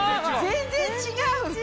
全然違う！